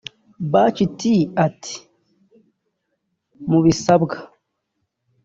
Bac T ati “Mu bisabwa